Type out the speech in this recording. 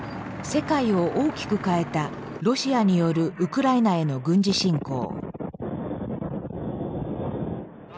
世界を大きく変えたロシアによるウクライナへの軍事侵攻。